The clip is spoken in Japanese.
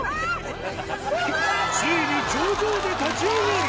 ついに頂上で立ち上がる！